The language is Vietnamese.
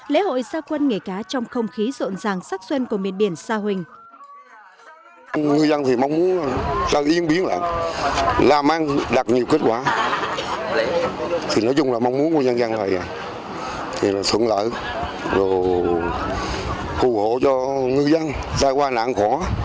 lễ hội gia quân nghề cá trong không khí rộn ràng sắc xuân của miền biển sa huỳnh